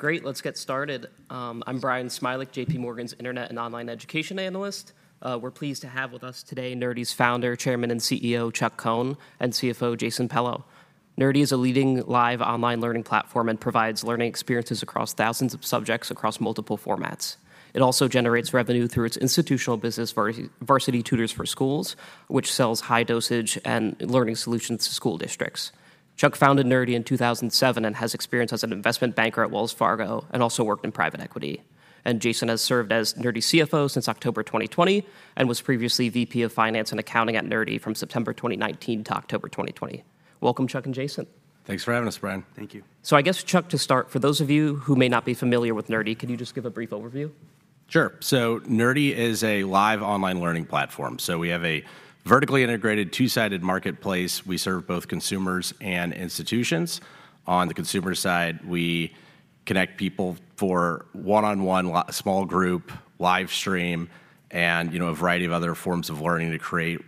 Great, let's get started. I'm Bryan Smilek, JPMorgan's Internet and Online Education analyst. We're pleased to have with us today, Nerdy's founder, chairman, and CEO, Chuck Cohn, and CFO, Jason Pellow. Nerdy is a leading live online learning platform, and provides learning experiences across thousands of subjects across multiple formats. It also generates revenue through its institutional business for Varsity Tutors for Schools, which sells high-dosage and learning solutions to school districts. Chuck founded Nerdy in 2007, and has experience as an investment banker at Wells Fargo, and also worked in private equity. Jason has served as Nerdy CFO since October 2020, and was previously VP of Finance and Accounting at Nerdy from September 2019 to October 2020. Welcome, Chuck and Jason. Thanks for having us, Bryan. Thank you. I guess, Chuck, to start, for those of you who may not be familiar with Nerdy, could you just give a brief overview? Sure. So Nerdy is a live online learning platform. So we have a vertically integrated, two-sided marketplace. We serve both consumers and institutions. On the consumer side, we connect people for one-on-one, small group, live stream, and, you know, a variety of other forms of learning to create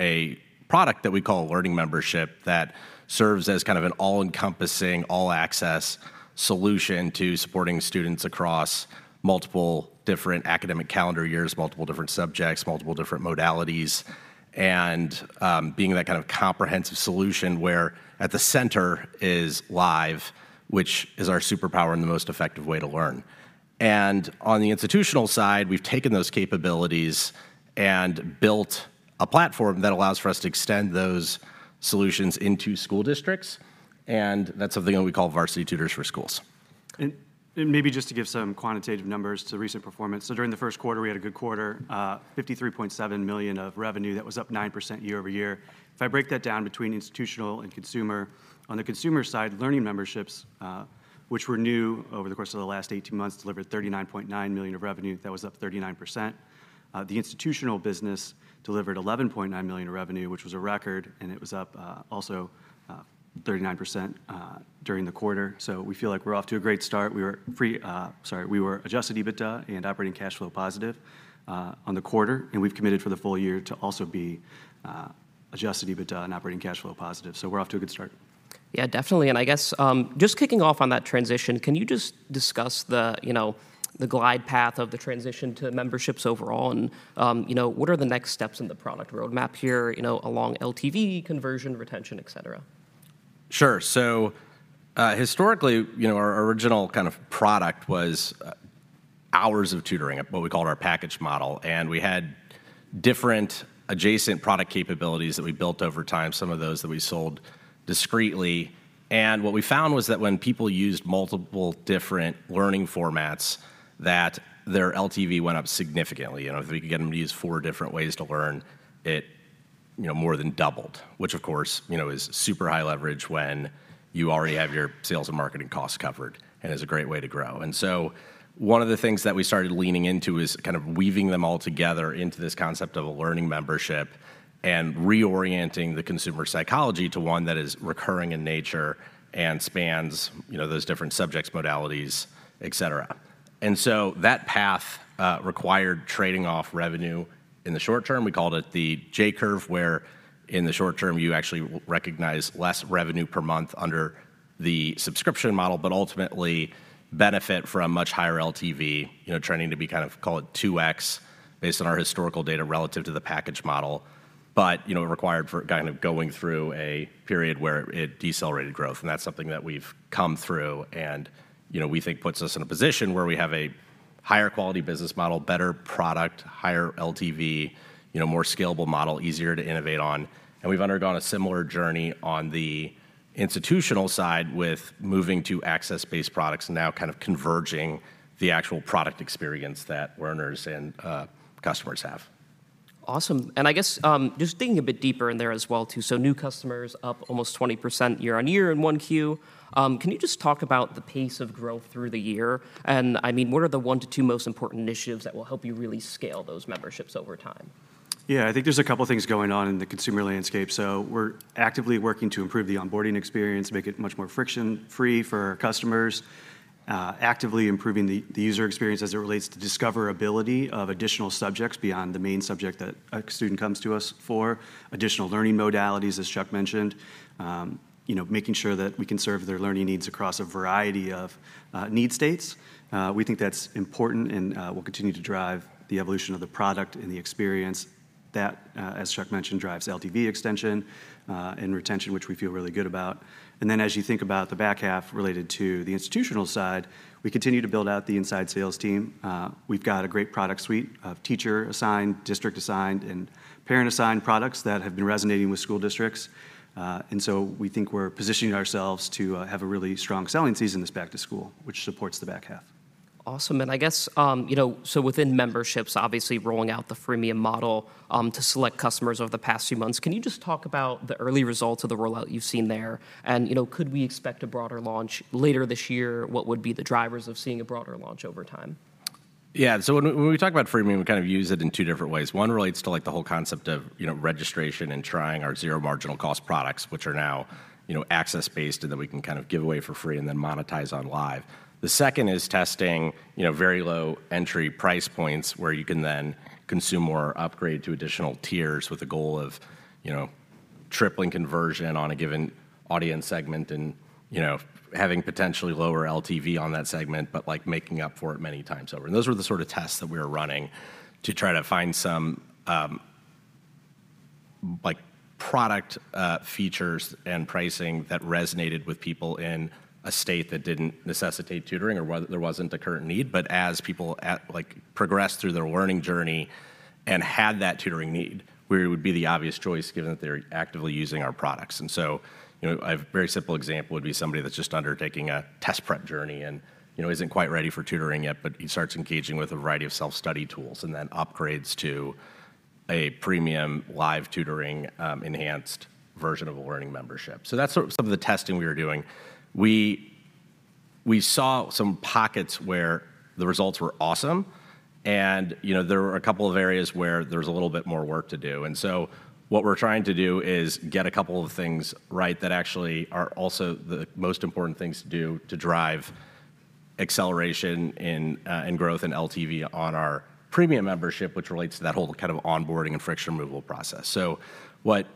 a product that we call a Learning Membership, that serves as kind of an all-encompassing, all-access solution to supporting students across multiple different academic calendar years, multiple different subjects, multiple different modalities. And, being that kind of comprehensive solution, where at the center is live, which is our superpower and the most effective way to learn. And on the institutional side, we've taken those capabilities and built a platform that allows for us to extend those solutions into school districts, and that's something that we call Varsity Tutors for Schools. Maybe just to give some quantitative numbers to recent performance. So during the first quarter, we had a good quarter, $53.7 million of revenue. That was up 9% year-over-year. If I break that down between institutional and consumer, on the consumer side, Learning Memberships, which were new over the course of the last 18 months, delivered $39.9 million of revenue. That was up 39%. The institutional business delivered $11.9 million in revenue, which was a record, and it was up also 39% during the quarter. So we feel like we're off to a great start. We were Adjusted EBITDA and Operating Cash Flow positive on the quarter, and we've committed for the full year to also be Adjusted EBITDA and Operating Cash Flow positive. We're off to a good start. Yeah, definitely. And I guess, just kicking off on that transition, can you just discuss the, you know, the glide path of the transition to memberships overall? And, you know, what are the next steps in the product roadmap here, you know, along LTV, conversion, retention, et cetera? Sure. So, historically, you know, our original kind of product was, hours of tutoring, what we called our package model, and we had different adjacent product capabilities that we built over time, some of those that we sold discretely. What we found was that when people used multiple different learning formats, that their LTV went up significantly. You know, if we could get them to use four different ways to learn, it, you know, more than doubled, which of course, you know, is super high leverage when you already have your sales and marketing costs covered and is a great way to grow. And so one of the things that we started leaning into is kind of weaving them all together into this concept of a learning membership, and reorienting the consumer psychology to one that is recurring in nature and spans, you know, those different subjects, modalities, et cetera. And so that path required trading off revenue in the short term. We called it the J-curve, where in the short term, you actually recognize less revenue per month under the subscription model, but ultimately benefit from much higher LTV, you know, trending to be kind of, call it 2x, based on our historical data relative to the package model. But, you know, it required for kind of going through a period where it decelerated growth, and that's something that we've come through, and, you know, we think puts us in a position where we have a higher quality business model, better product, higher LTV, you know, more scalable model, easier to innovate on. And we've undergone a similar journey on the institutional side with moving to access-based products and now kind of converging the actual product experience that learners and customers have. Awesome. I guess, just digging a bit deeper in there as well, too, so new customers up almost 20% year-on-year in 1Q. Can you just talk about the pace of growth through the year? I mean, what are the one to two most important initiatives that will help you really scale those memberships over time? Yeah, I think there's a couple things going on in the consumer landscape. So we're actively working to improve the onboarding experience, make it much more friction-free for our customers. Actively improving the user experience as it relates to discoverability of additional subjects beyond the main subject that a student comes to us for. Additional learning modalities, as Chuck mentioned. You know, making sure that we can serve their learning needs across a variety of need states. We think that's important and will continue to drive the evolution of the product and the experience. That, as Chuck mentioned, drives LTV extension and retention, which we feel really good about. And then as you think about the back half related to the institutional side, we continue to build out the inside sales team. We've got a great product suite of Teacher-Assigned, District-Assigned, and Parent-Assigned products that have been resonating with school districts. And so we think we're positioning ourselves to have a really strong selling season this back to school, which supports the back half. Awesome. And I guess, you know, so within memberships, obviously rolling out the freemium model, to select customers over the past few months, can you just talk about the early results of the rollout you've seen there? And, you know, could we expect a broader launch later this year? What would be the drivers of seeing a broader launch over time? Yeah. So when we talk about freemium, we kind of use it in two different ways. One relates to, like, the whole concept of, you know, registration and trying our zero marginal cost products, which are now, you know, access-based, and then we can kind of give away for free and then monetize on live. The second is testing, you know, very low entry price points, where you can then consume or upgrade to additional tiers with the goal of, you know, tripling conversion on a given audience segment and, you know, having potentially lower LTV on that segment, but, like, making up for it many times over. And those were the sort of tests that we were running to try to find some, like, product features and pricing that resonated with people in a state that didn't necessitate tutoring or there wasn't a current need. As people, like, progressed through their learning journey and had that tutoring need, we would be the obvious choice, given that they're actively using our products. So, you know, a very simple example would be somebody that's just undertaking a test prep journey and, you know, isn't quite ready for tutoring yet, but he starts engaging with a variety of self-study tools and then upgrades to a premium live tutoring enhanced version of a learning membership. That's sort of some of the testing we were doing. We saw some pockets where the results were awesome, and, you know, there were a couple of areas where there's a little bit more work to do. What we're trying to do is get a couple of things right that actually are also the most important things to do to drive acceleration in growth and LTV on our premium membership, which relates to that whole kind of onboarding and friction removal process. So what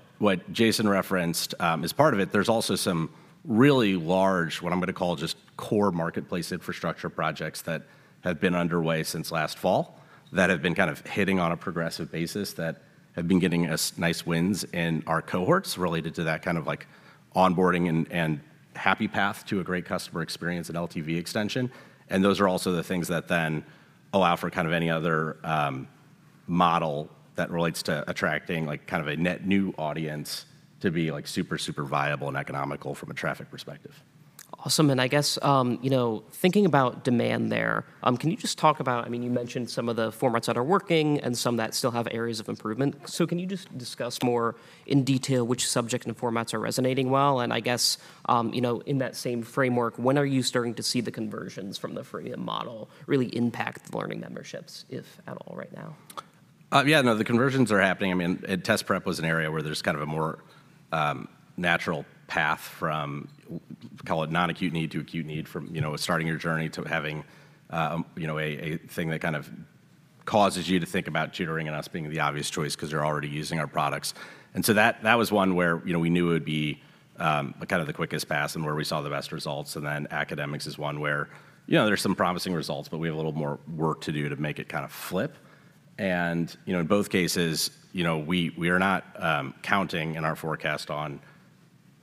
Jason referenced as part of it, there's also some really large, what I'm gonna call, just core marketplace infrastructure projects that have been underway since last fall, that have been kind of hitting on a progressive basis, that have been getting us nice wins in our cohorts related to that kind of like onboarding and happy path to a great customer experience and LTV extension. Those are also the things that then allow for kind of any other model that relates to attracting, like, kind of a net new audience to be, like, super, super viable and economical from a traffic perspective. Awesome. And I guess, you know, thinking about demand there, can you just talk about... I mean, you mentioned some of the formats that are working and some that still have areas of improvement. So can you just discuss more in detail which subject and formats are resonating well? And I guess, you know, in that same framework, when are you starting to see the conversions from the freemium model really impact the learning memberships, if at all right now? Yeah, no, the conversions are happening. I mean, test prep was an area where there's kind of a more natural path from, call it, non-acute need to acute need, from, you know, starting your journey to having a thing that kind of causes you to think about tutoring and us being the obvious choice because you're already using our products. And so that was one where, you know, we knew it would be kind of the quickest path and where we saw the best results. And then academics is one where, you know, there's some promising results, but we have a little more work to do to make it kinda flip. And, you know, in both cases, you know, we are not counting in our forecast on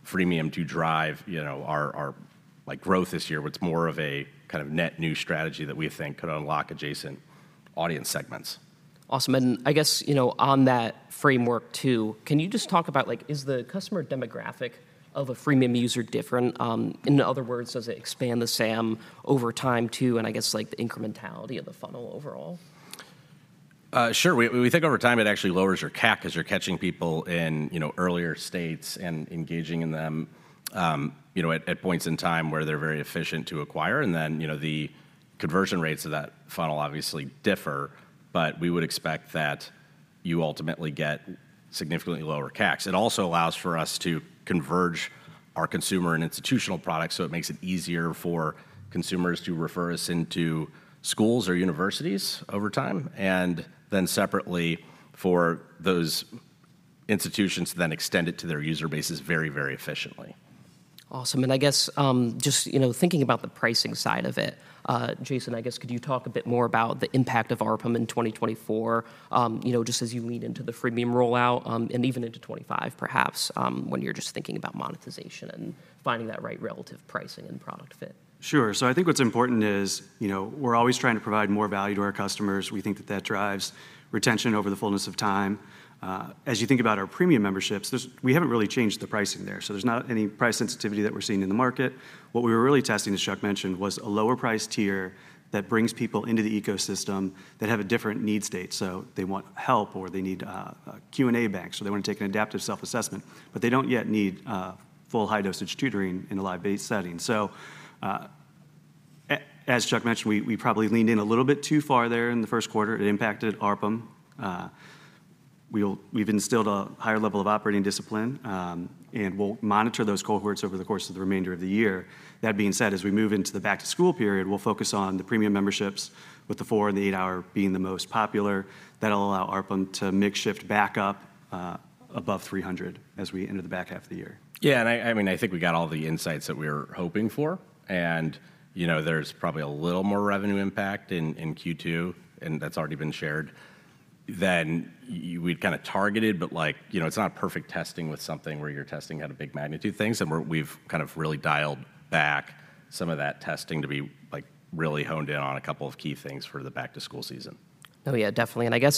freemium to drive, you know, our like, growth this year. It's more of a kind of net new strategy that we think could unlock adjacent audience segments. Awesome. I guess, you know, on that framework too, can you just talk about, like, is the customer demographic of a freemium user different? In other words, does it expand the SAM over time, too, and I guess, like, the incrementality of the funnel overall? Sure. We, we think over time, it actually lowers your CAC as you're catching people in, you know, earlier states and engaging in them, you know, at, at points in time where they're very efficient to acquire, and then, you know, the conversion rates of that funnel obviously differ, but we would expect that you ultimately get significantly lower CACs. It also allows for us to converge our consumer and institutional products, so it makes it easier for consumers to refer us into schools or universities over time, and then separately for those institutions to then extend it to their user bases very, very efficiently. Awesome. I guess, just, you know, thinking about the pricing side of it, Jason, I guess, could you talk a bit more about the impact of ARPM in 2024, you know, just as you lead into the freemium rollout, and even into 2025, perhaps, when you're just thinking about monetization and finding that right relative pricing and product fit? Sure. So I think what's important is, you know, we're always trying to provide more value to our customers. We think that that drives retention over the fullness of time. As you think about our premium memberships, we haven't really changed the pricing there, so there's not any price sensitivity that we're seeing in the market. What we were really testing, as Chuck mentioned, was a lower price tier that brings people into the ecosystem that have a different need state, so they want help or they need a Q&A bank, so they want to take an adaptive self-assessment, but they don't yet need full high-dosage tutoring in a live-based setting. So, as Chuck mentioned, we probably leaned in a little bit too far there in the first quarter. It impacted ARPM. We've instilled a higher level of operating discipline, and we'll monitor those cohorts over the course of the remainder of the year. That being said, as we move into the back-to-school period, we'll focus on the premium memberships with the 4- and 8-hour being the most popular. That'll allow ARPM to mix shift back up, above 300 as we enter the back half of the year. Yeah, and I mean, I think we got all the insights that we were hoping for. And, you know, there's probably a little more revenue impact in Q2, and that's already been shared, than we'd kinda targeted, but like, you know, it's not perfect testing with something where you're testing out a big magnitude things, and we've kind of really dialed back some of that testing to be, like, really honed in on a couple of key things for the back-to-school season. Oh, yeah, definitely. And I guess,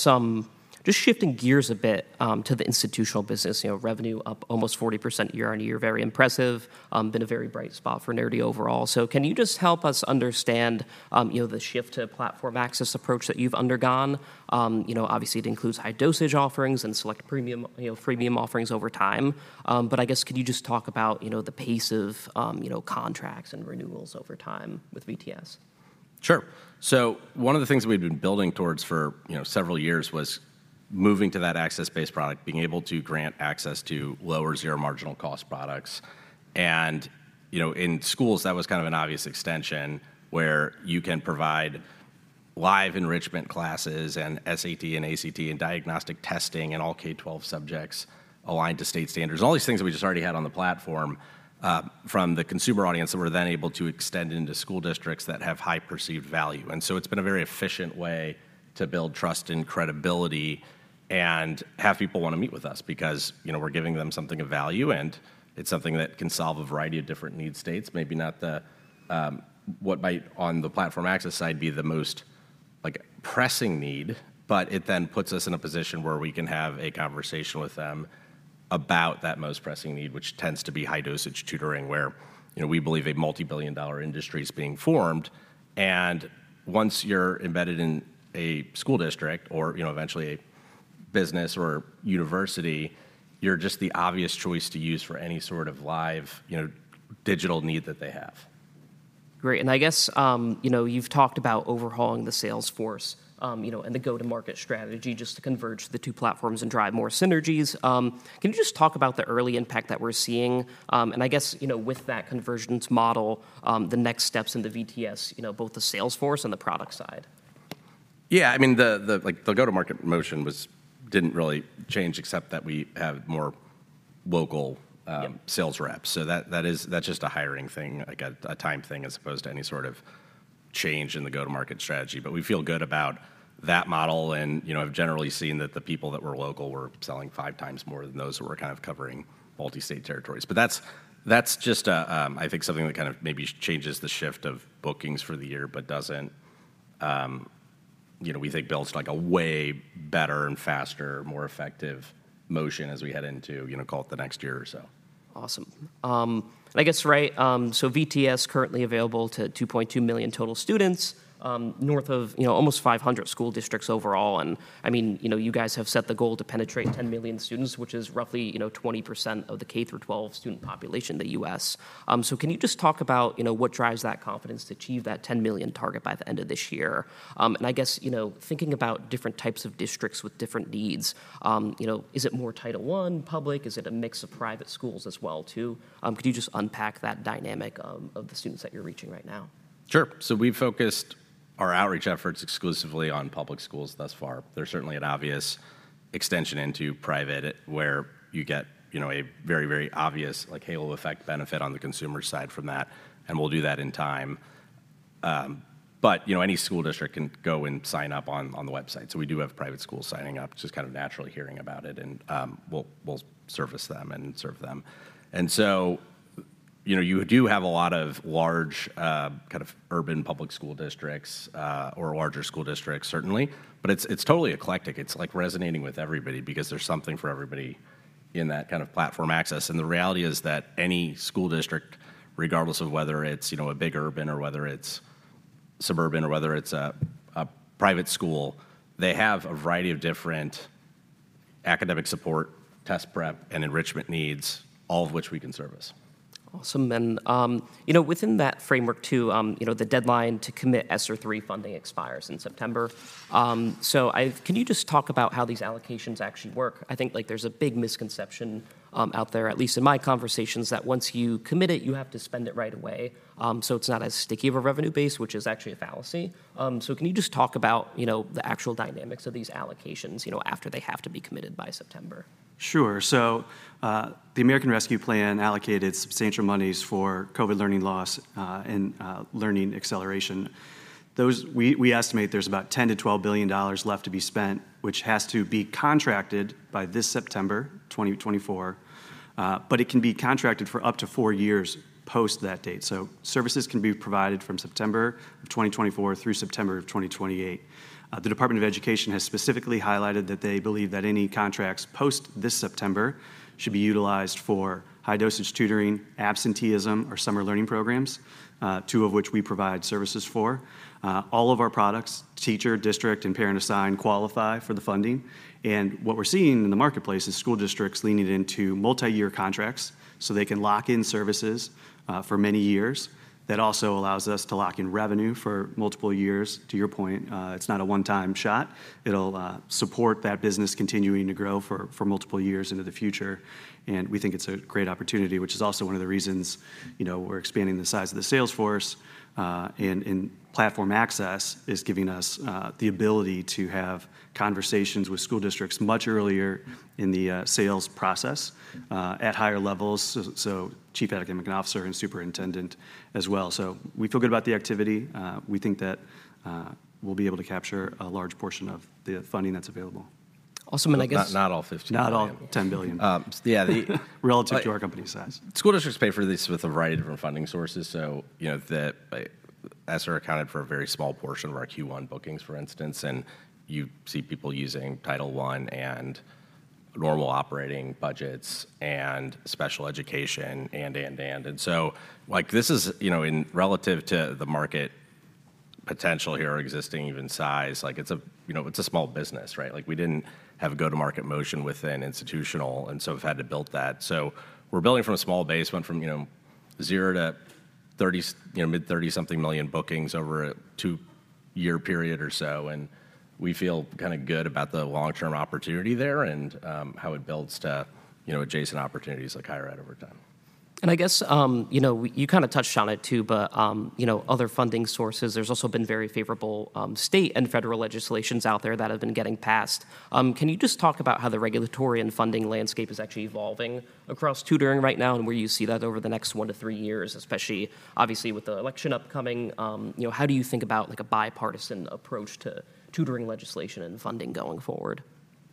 just shifting gears a bit, to the institutional business, you know, revenue up almost 40% year-over-year, very impressive, been a very bright spot for Nerdy overall. So can you just help us understand, you know, the shift to Platform Access approach that you've undergone? You know, obviously, it includes high-dosage offerings and select premium, you know, freemium offerings over time. But I guess, could you just talk about, you know, the pace of, you know, contracts and renewals over time with VTS? Sure. So one of the things we've been building towards for, you know, several years was moving to that access-based product, being able to grant access to lower zero marginal cost products. And, you know, in schools, that was kind of an obvious extension where you can provide live enrichment classes and SAT and ACT and diagnostic testing in all K-12 subjects aligned to state standards, all these things that we just already had on the platform from the consumer audience that we're then able to extend into school districts that have high perceived value. And so it's been a very efficient way to build trust and credibility, and have people want to meet with us because, you know, we're giving them something of value, and it's something that can solve a variety of different need states. Maybe not the what might on the platform access side be the most, like, pressing need, but it then puts us in a position where we can have a conversation with them about that most pressing need, which tends to be high-dosage tutoring, where, you know, we believe a multi-billion-dollar industry is being formed. And once you're embedded in a school district or, you know, eventually a business or university, you're just the obvious choice to use for any sort of live, you know, digital need that they have. Great. And I guess, you know, you've talked about overhauling the sales force, you know, and the go-to-market strategy just to converge the two platforms and drive more synergies. Can you just talk about the early impact that we're seeing? And I guess, you know, with that convergence model, the next steps in the VTS, you know, both the sales force and the product side. Yeah, I mean, like, the go-to-market motion wasn't really change except that we have more local- Yeah... sales reps. So that's just a hiring thing, like, a time thing, as opposed to any sort of change in the go-to-market strategy. But we feel good about that model, and, you know, I've generally seen that the people that were local were selling five times more than those who were kind of covering multi-state territories. But that's just a, I think something that kind of maybe changes the shift of bookings for the year, but doesn't, you know, we think builds, like, a way better and faster, more effective motion as we head into, you know, call it the next year or so. Awesome. And I guess, right, so VTS currently available to 2.2 million total students, north of, you know, almost 500 school districts overall. And I mean, you know, you guys have set the goal to penetrate 10 million students, which is roughly, you know, 20% of the K-12 student population in the U.S. So can you just talk about, you know, what drives that confidence to achieve that 10 million target by the end of this year? And I guess, you know, thinking about different types of districts with different needs, you know, is it more Title I, public? Is it a mix of private schools as well, too? Could you just unpack that dynamic of the students that you're reaching right now? Sure. So we've focused our outreach efforts exclusively on public schools thus far. There's certainly an obvious extension into private, where you get, you know, a very, very obvious, like, halo effect benefit on the consumer side from that, and we'll do that in time. But, you know, any school district can go and sign up on the website. So we do have private schools signing up, just kind of naturally hearing about it, and we'll service them and serve them. And so, you know, you do have a lot of large, kind of urban public school districts, or larger school districts, certainly, but it's totally eclectic. It's, like, resonating with everybody because there's something for everybody in that kind of platform access. The reality is that any school district, regardless of whether it's, you know, a big urban or whether it's suburban or whether it's a private school, they have a variety of different academic support, test prep, and enrichment needs, all of which we can service. Awesome. And, you know, within that framework, too, you know, the deadline to commit ESSER III funding expires in September. So can you just talk about how these allocations actually work? I think, like, there's a big misconception, out there, at least in my conversations, that once you commit it, you have to spend it right away. So it's not as sticky of a revenue base, which is actually a fallacy. So can you just talk about, you know, the actual dynamics of these allocations, you know, after they have to be committed by September? Sure. So, the American Rescue Plan allocated substantial monies for COVID learning loss, and learning acceleration. We estimate there's about $10 billion-$12 billion left to be spent, which has to be contracted by September 2024. But it can be contracted for up to four years post that date. So services can be provided from September 2024 through September 2028. The Department of Education has specifically highlighted that they believe that any contracts post this September should be utilized for high-dosage tutoring, absenteeism, or summer learning programs, two of which we provide services for. All of our products, Teacher, District, and Parent Assigned, qualify for the funding. And what we're seeing in the marketplace is school districts leaning into multi-year contracts so they can lock in services, for many years. That also allows us to lock in revenue for multiple years. To your point, it's not a one-time shot. It'll support that business continuing to grow for multiple years into the future, and we think it's a great opportunity, which is also one of the reasons, you know, we're expanding the size of the sales force. Platform Access is giving us the ability to have conversations with school districts much earlier in the sales process at higher levels, so Chief Academic Officer and Superintendent as well. So we feel good about the activity. We think that we'll be able to capture a large portion of the funding that's available. Also, I guess- Not all $15 billion. Not all $10 billion. Um, yeah. Relative to our company's size. School districts pay for this with a variety of different funding sources. So, you know, the ESSER accounted for a very small portion of our Q1 bookings, for instance, and you see people using Title I and normal operating budgets and special education and... And so, like, this is, you know, in relative to the market potential here or existing even size, like, it's a, you know, it's a small business, right? Like, we didn't have a go-to-market motion within institutional, and so we've had to build that. So we're building from a small base. Went from, you know, zero to 30-- you know, mid-30-something million bookings over a two-year period or so, and we feel kinda good about the long-term opportunity there and, how it builds to, you know, adjacent opportunities like higher ed over time. I guess, you know, you kind of touched on it, too, but, you know, other funding sources, there's also been very favorable, state and federal legislations out there that have been getting passed. Can you just talk about how the regulatory and funding landscape is actually evolving across tutoring right now, and where you see that over the next one to three years, especially obviously with the election upcoming? You know, how do you think about, like, a bipartisan approach to tutoring legislation and funding going forward?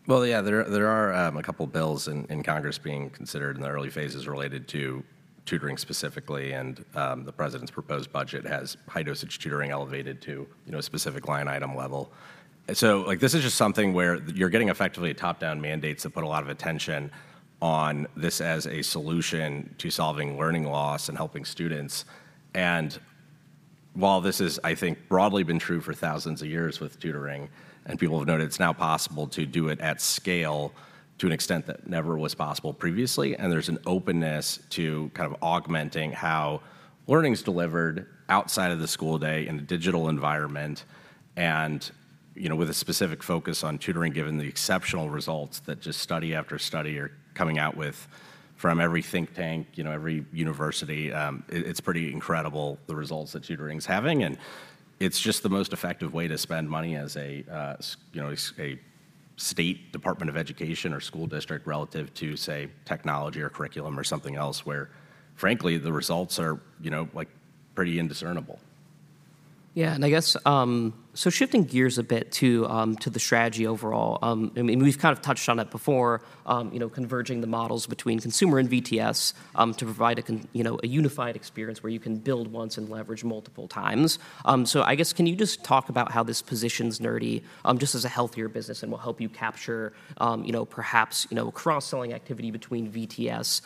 Well, yeah, there are a couple bills in Congress being considered in the early phases related to tutoring specifically, and the president's proposed budget has high-dosage tutoring elevated to, you know, a specific line-item level. So, like, this is just something where you're getting effectively top-down mandates that put a lot of attention on this as a solution to solving learning loss and helping students. And while this has, I think, broadly been true for thousands of years with tutoring, and people have noted it's now possible to do it at scale to an extent that never was possible previously, and there's an openness to kind of augmenting how learning's delivered outside of the school day in a digital environment, and, you know, with a specific focus on tutoring, given the exceptional results that just study after study are coming out with from every think tank, you know, every university. It's pretty incredible the results that tutoring is having, and it's just the most effective way to spend money as a, you know, a state department of education or school district relative to, say, technology or curriculum or something else, where frankly, the results are, you know, like, pretty indiscernible. Yeah, and I guess, so shifting gears a bit to the strategy overall, and we've kind of touched on it before, you know, converging the models between consumer and VTS to provide a, you know, a unified experience where you can build once and leverage multiple times. So I guess, can you just talk about how this positions Nerdy just as a healthier business and will help you capture, you know, perhaps, you know, cross-selling activity between VTS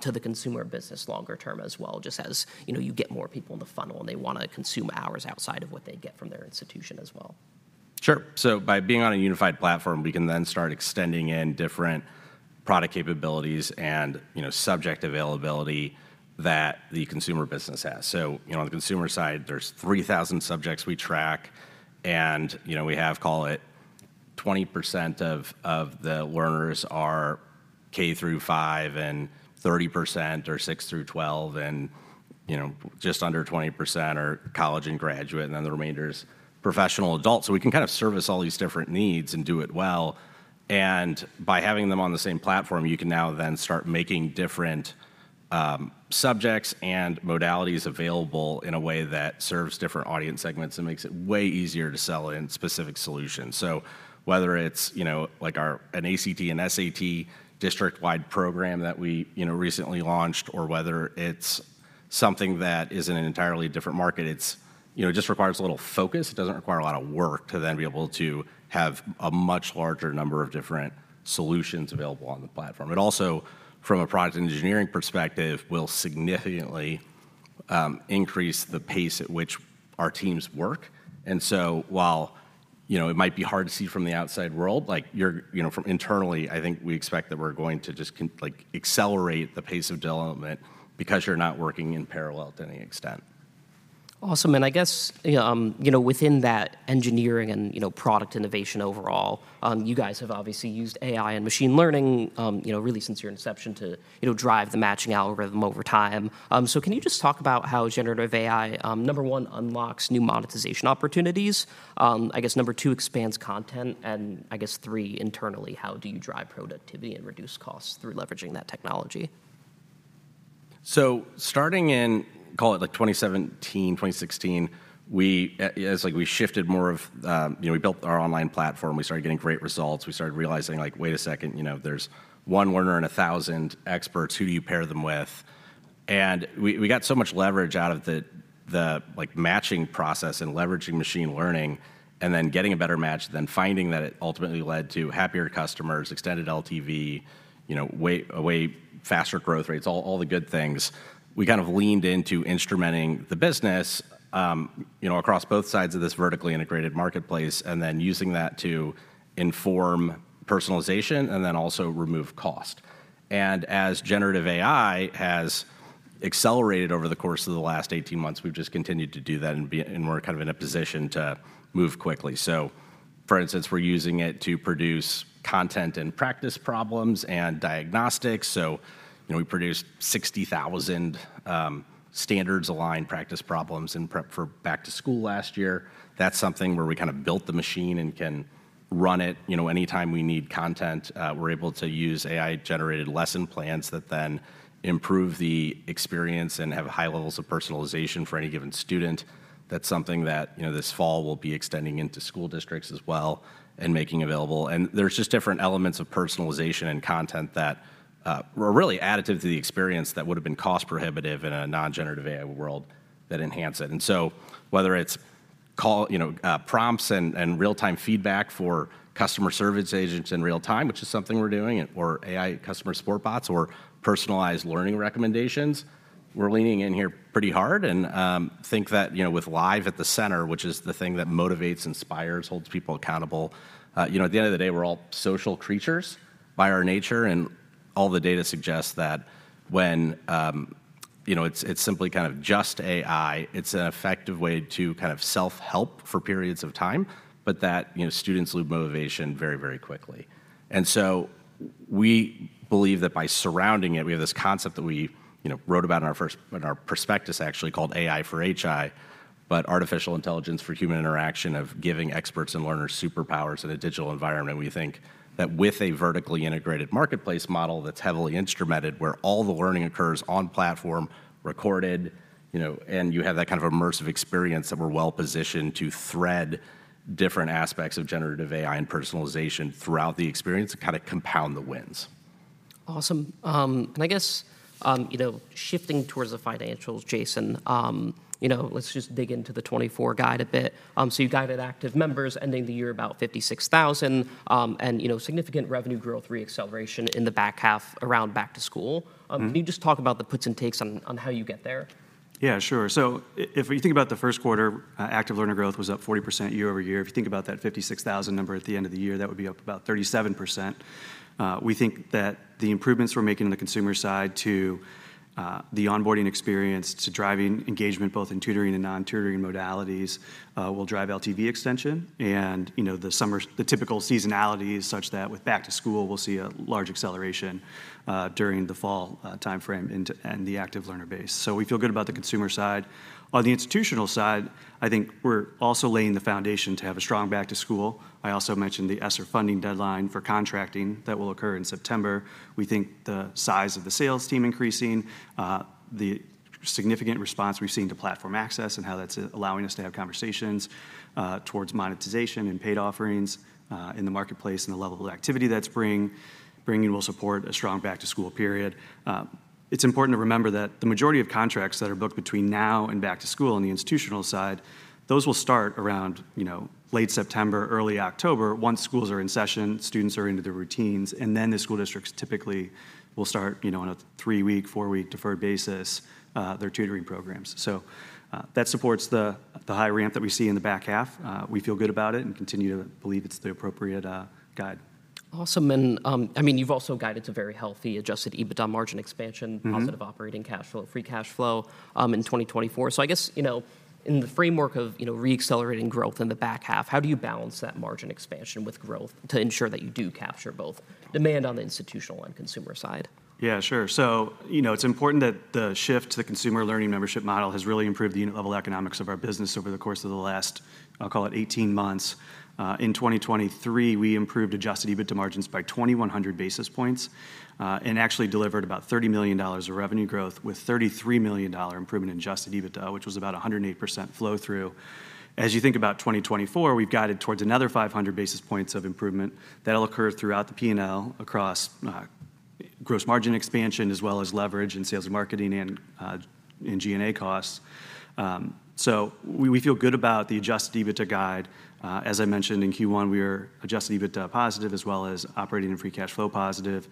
to the consumer business longer term as well, just as, you know, you get more people in the funnel, and they wanna consume hours outside of what they get from their institution as well? Sure. So by being on a unified platform, we can then start extending in different product capabilities and, you know, subject availability that the consumer business has. So, you know, on the consumer side, there's 3,000 subjects we track, and, you know, we have, call it 20% of the learners are K through five, and 30% are six through twelve, and, you know, just under 20% are college and graduate, and then the remainder is professional adults. So we can kind of service all these different needs and do it well, and by having them on the same platform, you can now then start making different subjects and modalities available in a way that serves different audience segments and makes it way easier to sell in specific solutions. So whether it's, you know, like our, an ACT and SAT district-wide program that we, you know, recently launched, or whether it's something that is in an entirely different market, it's, you know, it just requires a little focus. It doesn't require a lot of work to then be able to have a much larger number of different solutions available on the platform. It also, from a product engineering perspective, will significantly increase the pace at which our teams work. And so while, you know, it might be hard to see from the outside world, like, you know, from internally, I think we expect that we're going to just like, accelerate the pace of development because you're not working in parallel to any extent. Awesome, and I guess, you know, within that engineering and, you know, product innovation overall, you guys have obviously used AI and machine learning, you know, really since your inception to, you know, drive the matching algorithm over time. So can you just talk about how generative AI, number one, unlocks new monetization opportunities, I guess number two, expands content, and I guess three, internally, how do you drive productivity and reduce costs through leveraging that technology? So starting in, call it, like, 2017, 2016, we, as like we shifted more of... You know, we built our online platform, we started getting great results. We started realizing, like, wait a second, you know, there's one learner and 1,000 experts. Who do you pair them with? And we got so much leverage out of the matching process and leveraging machine learning, and then getting a better match, then finding that it ultimately led to happier customers, extended LTV, you know, way, way faster growth rates, all, all the good things. We kind of leaned into instrumenting the business, you know, across both sides of this vertically integrated marketplace, and then using that to inform personalization and then also remove cost. And as generative AI has accelerated over the course of the last 18 months, we've just continued to do that and and we're kind of in a position to move quickly. So, for instance, we're using it to produce content and practice problems and diagnostics. So, you know, we produced 60,000 standards-aligned practice problems in prep for back to school last year. That's something where we kinda built the machine and can run it. You know, anytime we need content, we're able to use AI-generated lesson plans that then improve the experience and have high levels of personalization for any given student. That's something that, you know, this fall will be extending into school districts as well and making available. And there's just different elements of personalization and content that were really additive to the experience that would've been cost-prohibitive in a non-generative AI world that enhance it. And so whether it's you know prompts and real-time feedback for customer service agents in real time, which is something we're doing, or AI customer support bots or personalized learning recommendations, we're leaning in here pretty hard and think that, you know, with live at the center, which is the thing that motivates, inspires, holds people accountable, you know, at the end of the day, we're all social creatures by our nature, and all the data suggests that when you know it's simply kind of just AI. It's an effective way to kind of self-help for periods of time, but that, you know, students lose motivation very, very quickly. So we believe that by surrounding it, we have this concept that we, you know, wrote about in our prospectus, actually, called AI for HI, but artificial intelligence for human interaction, of giving experts and learners superpowers in a digital environment. We think that with a vertically integrated marketplace model that's heavily instrumented, where all the learning occurs on platform, recorded, you know, and you have that kind of immersive experience, that we're well-positioned to thread different aspects of generative AI and personalization throughout the experience and kinda compound the wins. Awesome. And I guess, you know, shifting towards the financials, Jason, you know, let's just dig into the 2024 guide a bit. So you guided active members ending the year about 56,000, and, you know, significant revenue growth re-acceleration in the back half around back to school. Mm-hmm. Can you just talk about the puts and takes on how you get there? Yeah, sure. So if we think about the first quarter, active learner growth was up 40% year-over-year. If you think about that 56,000 number at the end of the year, that would be up about 37%. We think that the improvements we're making on the consumer side to the onboarding experience, to driving engagement, both in tutoring and non-tutoring modalities, will drive LTV extension. And, you know, the typical seasonality is such that with back to school, we'll see a large acceleration during the fall timeframe into the active learner base. So we feel good about the consumer side. On the institutional side, I think we're also laying the foundation to have a strong back to school. I also mentioned the ESSER funding deadline for contracting that will occur in September. We think the size of the sales team increasing, the significant response we've seen to platform access and how that's allowing us to have conversations towards monetization and paid offerings in the marketplace, and the level of activity that's bringing will support a strong back to school period. It's important to remember that the majority of contracts that are booked between now and back to school on the institutional side, those will start around, you know, late September, early October. Once schools are in session, students are into their routines, and then the school districts typically will start, you know, on a three-week, four-week deferred basis their tutoring programs. So, that supports the high ramp that we see in the back half. We feel good about it and continue to believe it's the appropriate guide. Awesome. I mean, you've also guided to very healthy Adjusted EBITDA margin expansion- Mm-hmm... positive operating cash flow, free cash flow, in 2024. So I guess, you know, in the framework of, you know, re-accelerating growth in the back half, how do you balance that margin expansion with growth to ensure that you do capture both demand on the institutional and consumer side? Yeah, sure. So, you know, it's important that the shift to the consumer Learning Membership model has really improved the unit level economics of our business over the course of the last, I'll call it 18 months. In 2023, we improved Adjusted EBITDA margins by 2,100 basis points, and actually delivered about $30 million of revenue growth, with $33 million dollar improvement in Adjusted EBITDA, which was about 108% flow through. As you think about 2024, we've guided towards another 500 basis points of improvement. That'll occur throughout the P&L across, gross margin expansion, as well as leverage in sales and marketing and, in G&A costs. So we, we feel good about the Adjusted EBITDA guide. As I mentioned, in Q1, we were Adjusted EBITDA positive, as well as operating and free cash flow positive.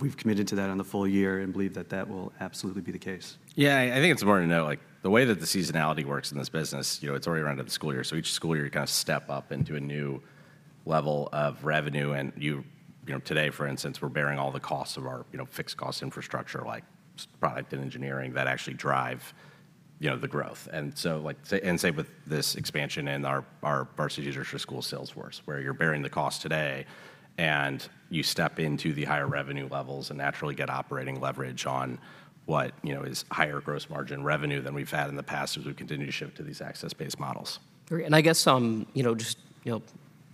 We've committed to that on the full year and believe that that will absolutely be the case. Yeah, I think it's important to note, like, the way that the seasonality works in this business, you know, it's already around the school year, so each school year, you kinda step up into a new level of revenue. And you know, today, for instance, we're bearing all the costs of our, you know, fixed cost infrastructure, like product and engineering, that actually drive, you know, the growth. And so, like, say with this expansion in our Varsity Tutors for Schools sales force, where you're bearing the cost today, and you step into the higher revenue levels and naturally get operating leverage on what, you know, is higher gross margin revenue than we've had in the past as we continue to ship to these access-based models. Great. And I guess, you know, just, you know,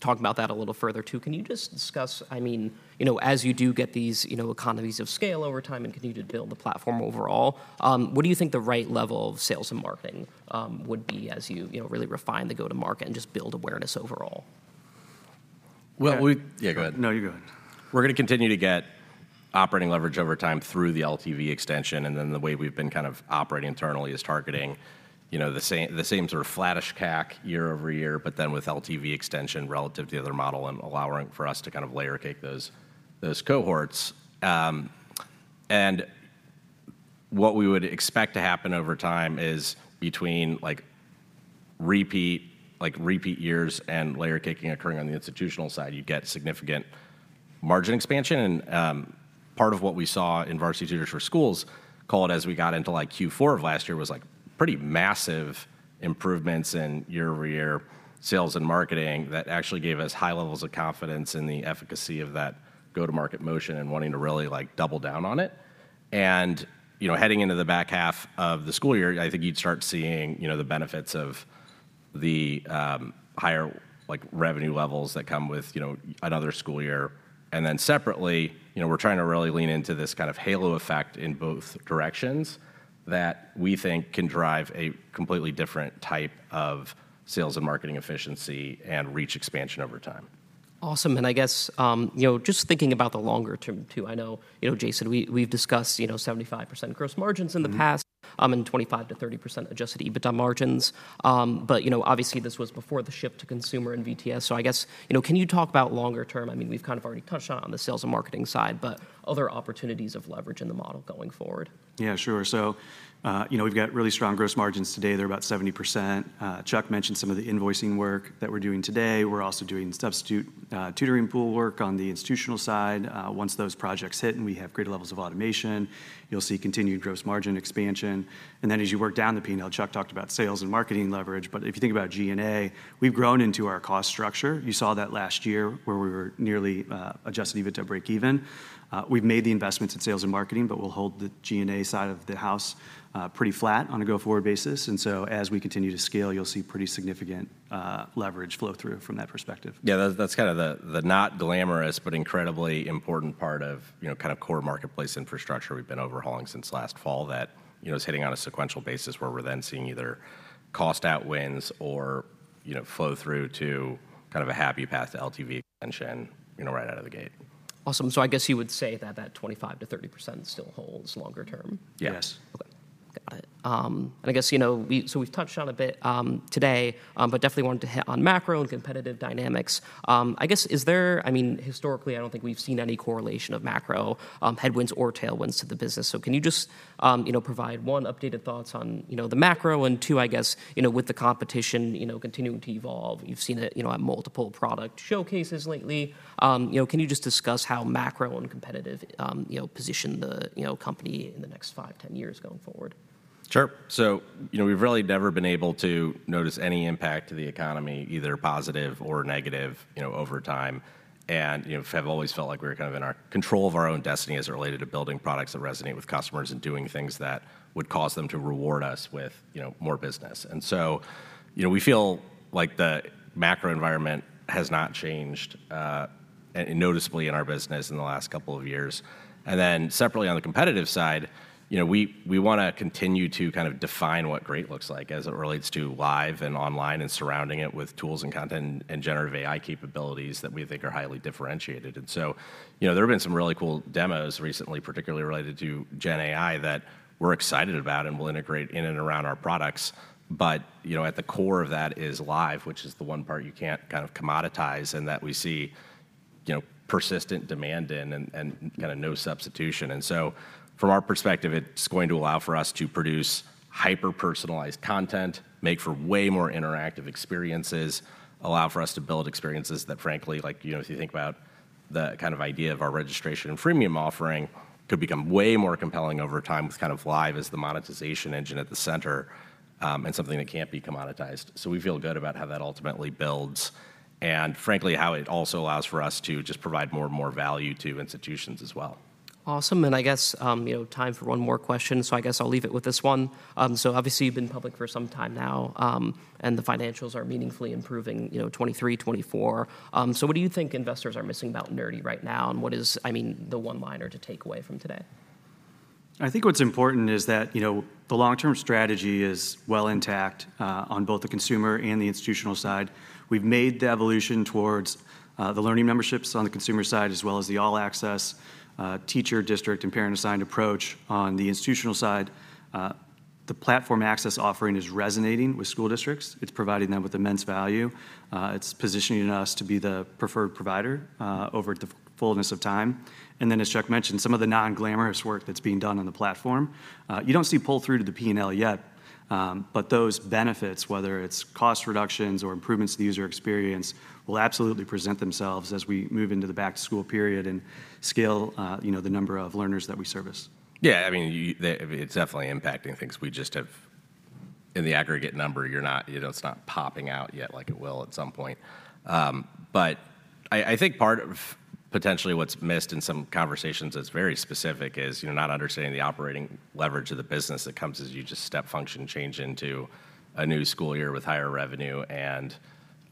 talk about that a little further, too. Can you just discuss... I mean, you know, as you do get these, you know, economies of scale over time and continue to build the platform overall, what do you think the right level of sales and marketing would be as you, you know, really refine the go-to-market and just build awareness overall? Well, we- Yeah- Yeah, go ahead. No, you go ahead. We're gonna continue to get operating leverage over time through the LTV extension, and then the way we've been kind of operating internally is targeting, you know, the same, the same sort of flattish CAC year over year, but then with LTV extension relative to the other model and allowing for us to kind of layer cake those, those cohorts. And what we would expect to happen over time is between, like, repeat, like, repeat years and layer caking occurring on the institutional side, you get significant margin expansion. And part of what we saw in Varsity Tutors for Schools, call it as we got into, like, Q4 of last year, was, like, pretty massive improvements in year-over-year sales and marketing that actually gave us high levels of confidence in the efficacy of that go-to-market motion and wanting to really, like, double down on it. And, you know, heading into the back half of the school year, I think you'd start seeing, you know, the benefits of the higher, like, revenue levels that come with, you know, another school year. And then separately, you know, we're trying to really lean into this kind of halo effect in both directions that we think can drive a completely different type of sales and marketing efficiency and reach expansion over time. Awesome. And I guess, you know, just thinking about the longer term, too, I know, you know, Jason, we, we've discussed, you know, 75% gross margins in the past—and 25%-30% Adjusted EBITDA margins. But, you know, obviously, this was before the shift to consumer and VTS. So I guess, you know, can you talk about longer term? I mean, we've kind of already touched on the sales and marketing side, but other opportunities of leverage in the model going forward. Yeah, sure. So, you know, we've got really strong gross margins today. They're about 70%. Chuck mentioned some of the invoicing work that we're doing today. We're also doing substitute tutoring pool work on the institutional side. Once those projects hit, and we have greater levels of automation, you'll see continued gross margin expansion. And then, as you work down the P&L, Chuck talked about sales and marketing leverage, but if you think about G&A, we've grown into our cost structure. You saw that last year, where we were nearly Adjusted EBITDA break even. We've made the investments in sales and marketing, but we'll hold the G&A side of the house pretty flat on a go-forward basis. And so, as we continue to scale, you'll see pretty significant leverage flow through from that perspective. Yeah, that's kinda the not glamorous, but incredibly important part of, you know, kind of core marketplace infrastructure we've been overhauling since last fall, that, you know, is hitting on a sequential basis, where we're then seeing either cost out wins or, you know, flow through to kind of a happy path to LTV expansion, you know, right out of the gate. Awesome. So I guess you would say that that 25%-30% still holds longer term? Yes. Yes. Got it. And I guess, you know, so we've touched on a bit, today, but definitely wanted to hit on macro and competitive dynamics. I guess, I mean, historically, I don't think we've seen any correlation of macro, headwinds or tailwinds to the business. So can you just, you know, provide one, updated thoughts on, you know, the macro, and two, I guess, you know, with the competition, you know, continuing to evolve, you've seen it, you know, on multiple product showcases lately. You know, can you just discuss how macro and competitive, you know, position the, you know, company in the next five, 10 years going forward? Sure. So, you know, we've really never been able to notice any impact to the economy, either positive or negative, you know, over time, and, you know, have always felt like we were kind of in our control of our own destiny as it related to building products that resonate with customers and doing things that would cause them to reward us with, you know, more business. And so, you know, we feel like the macro environment has not changed noticeably in our business in the last couple of years. And then separately, on the competitive side, you know, we wanna continue to kind of define what great looks like as it relates to live and online and surrounding it with tools and content and generative AI capabilities that we think are highly differentiated. So, you know, there have been some really cool demos recently, particularly related to gen AI, that we're excited about and will integrate in and around our products. But, you know, at the core of that is Live, which is the one part you can't kind of commoditize, and that we see, you know, persistent demand in and, and kinda no substitution. So, from our perspective, it's going to allow for us to produce hyper-personalized content, make for way more interactive experiences, allow for us to build experiences that, frankly, like, you know, if you think about the kind of idea of our registration and freemium offering, could become way more compelling over time with kind of Live as the monetization engine at the center, and something that can't be commoditized. We feel good about how that ultimately builds and frankly, how it also allows for us to just provide more and more value to institutions as well. Awesome, and I guess, you know, time for one more question, so I guess I'll leave it with this one. So obviously, you've been public for some time now, and the financials are meaningfully improving, you know, 2023, 2024. So what do you think investors are missing about Nerdy right now, and what is, I mean, the one-liner to take away from today? I think what's important is that, you know, the long-term strategy is well intact on both the consumer and the institutional side. We've made the evolution towards the learning memberships on the consumer side, as well as the all-access teacher, district, and parent-assigned approach on the institutional side. The platform access offering is resonating with school districts. It's providing them with immense value. It's positioning us to be the preferred provider over the fullness of time. And then, as Chuck mentioned, some of the non-glamorous work that's being done on the platform, you don't see pull-through to the P&L yet, but those benefits, whether it's cost reductions or improvements to the user experience, will absolutely present themselves as we move into the back-to-school period and scale, you know, the number of learners that we service. Yeah, I mean, it's definitely impacting things. We just have... In the aggregate number, you're not, you know, it's not popping out yet like it will at some point. But I think part of potentially what's missed in some conversations that's very specific is, you know, not understanding the operating leverage of the business that comes as you just step function change into a new school year with higher revenue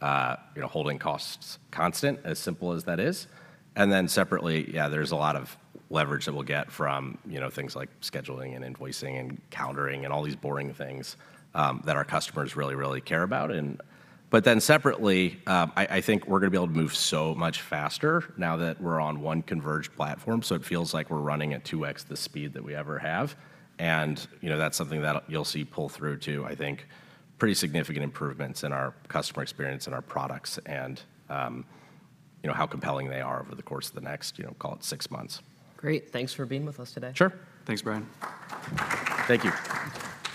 and, you know, holding costs constant, as simple as that is. And then separately, yeah, there's a lot of leverage that we'll get from, you know, things like scheduling and invoicing and calendaring and all these boring things that our customers really, really care about and... But then separately, I think we're gonna be able to move so much faster now that we're on one converged platform, so it feels like we're running at 2x the speed that we ever have. And, you know, that's something that you'll see pull through to, I think, pretty significant improvements in our customer experience and our products and, you know, how compelling they are over the course of the next, you know, call it six months. Great. Thanks for being with us today. Sure. Thanks, Bryan. Thank you.